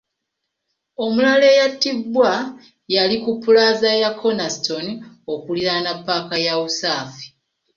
Omulala eyattibwa yali ku ppulaaza ya Kornerstone , okuliraana ppaaka ya Usafi .